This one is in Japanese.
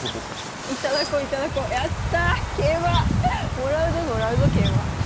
もらうぞもらうぞ桂馬。